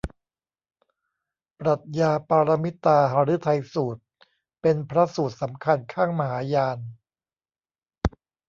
ปรัชญาปารมิตาหฤทัยสูตร เป็นพระสูตรสำคัญข้างมหายาน